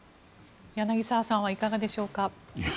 柳澤さんはいかがでしょうか。